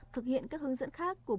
thực hiện các hướng dẫn khác